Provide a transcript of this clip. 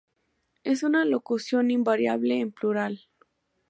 Es una locución invariable en plural.